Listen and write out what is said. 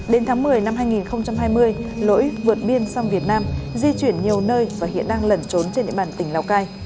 đến tháng một mươi năm hai nghìn hai mươi lỗi vượt biên sang việt nam di chuyển nhiều nơi và hiện đang lẩn trốn trên địa bàn tỉnh lào cai